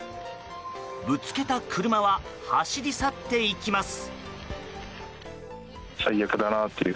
ぶつけた車は走り去っていきます。